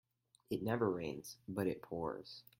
It never rains but it pours.